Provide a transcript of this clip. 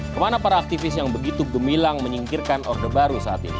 kemana para aktivis yang begitu gemilang menyingkirkan orde baru saat ini